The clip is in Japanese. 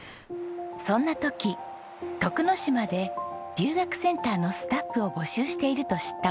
そんな時徳之島で留学センターのスタッフを募集していると知ったお二人。